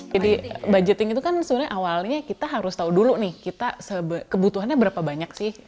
jadi budgeting itu kan sebenarnya awalnya kita harus tahu dulu nih kebutuhannya berapa banyak sih